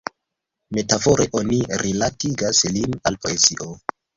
Metafore oni rilatigas lin al poezio.